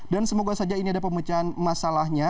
dan semoga saja ini ada pemecahan masalahnya